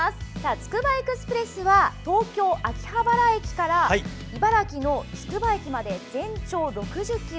つくばエクスプレスは東京・秋葉原駅から茨城のつくば駅まで全長６０ｋｍ。